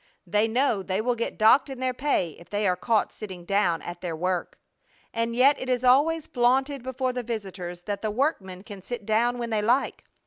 They know they will get docked in their pay if they are caught sitting down at their work! And yet it is always flaunted before the visitors that the workmen can sit down when they like.